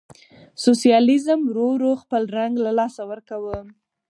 سوسیالیزم ورو ورو خپل رنګ له لاسه ورکاوه.